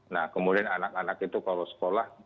nah kemudian anak anak itu kalau sekolah